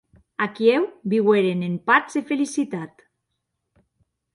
Aquiu viueren en patz e felicitat.